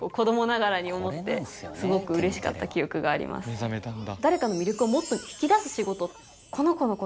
目覚めたんだ。